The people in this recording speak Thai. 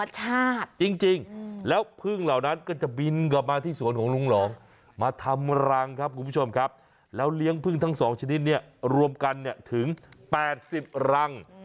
จริงแล้วพึ่งเหล่านั้นก็จะบินกลับมาที่สวนของลุงหลองมาทำรังครับคุณผู้ชมครับแล้วเลี้ยงพึ่งทั้ง๒ชนิดเนี่ยรวมกันเนี่ยถึง๘๐รัง